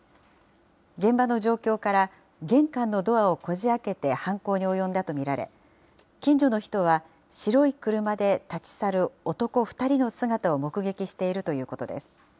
現場の状況から、玄関のドアをこじ開けて犯行に及んだと見られ、近所の人は、白い車で立ち去る男２人の姿を目撃しているということです。